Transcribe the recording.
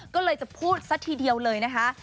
ก็เลยจะพูดซะทีเดียวเลยนะคะ